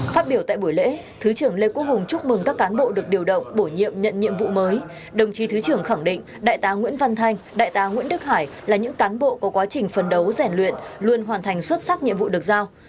phát biểu tại buổi lễ thứ trưởng lê quốc hùng chúc mừng các cán bộ được điều động bổ nhiệm nhận nhiệm vụ mới đồng chí thứ trưởng khẳng định đại tá nguyễn văn thanh đại tá nguyễn đức hải là những cán bộ có quá trình phân đấu rèn luyện luôn hoàn thành xuất sắc nhiệm vụ được giao